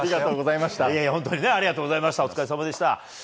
お疲れさまでした。